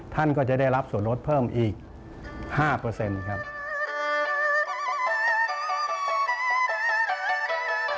ท่านก็จะได้รับส่วนลดเพิ่มอีก๕ครับ